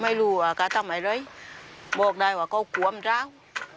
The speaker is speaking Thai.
ไม่รู้ว่ากระต้ำไอ้เลยบอกได้ว่าก็กลัวมันร้าว